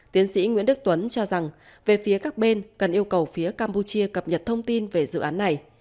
tiến sĩ nguyễn đức tuấn cho rằng về phía các bên cần yêu cầu phía campuchia cập nhật thông tin về dự án này